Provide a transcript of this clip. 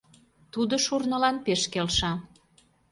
Тудо шурнылан пеш келша.